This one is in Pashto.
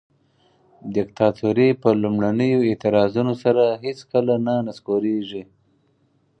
دیکتاتوري په لومړنیو اعتراضونو سره هیڅکله نه نسکوریږي.